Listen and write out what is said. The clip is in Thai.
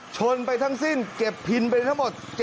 ชนไปทั้งสิ้นเก็บพินไปทั้งหมด